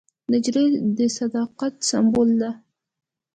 نجلۍ د صداقت سمبول ده.